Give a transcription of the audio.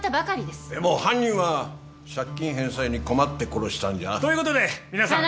でも犯人は借金返済に困って殺したんじゃ。ということで皆さん。